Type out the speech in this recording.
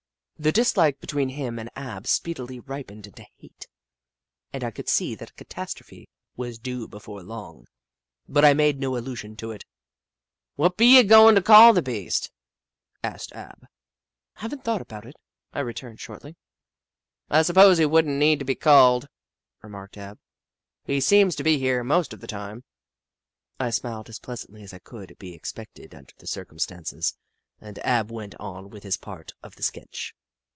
The dislike between him and Ab speedily ripened into hate, and I could see that a catastrophe was due before long, but I made no allusion to it. " What be you goin' to call the beast ?" asked Ab. 48 The Book of Clever Beasts " Have n't thought about it," I returned, shortly. " I suppose he would n't need to be called," remarked Ab. "He seems to be here most of the time." I smiled as pleasantly as could be expected under the circumstances, and Ab went on with his part of the sketch.